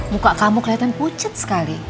muka kamu kelihatan pucet sekali